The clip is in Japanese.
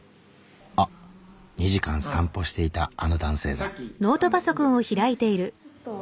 あっ２時間散歩していたあの男性だ。